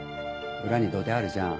裏に土手あるじゃん。